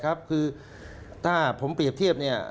ก็แล้วแต่ครับคือถ้าผมเปรียบเทียบเนี่ย